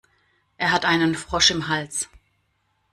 Er hat einen Frosch im Hals.